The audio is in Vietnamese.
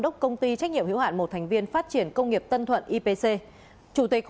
đốc công ty trách nhiệm hữu hạn một thành viên phát triển công nghiệp tân thuận ipc chủ tịch